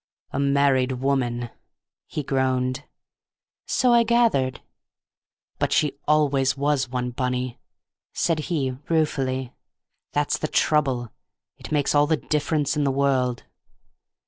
"A married woman," he groaned. "So I gathered." "But she always was one, Bunny," said he, ruefully. "That's the trouble. It makes all the difference in the world!"